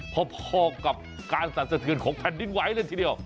พอกับการสั่นสะเทือนของแผ่นดินไหวเลยทีเดียว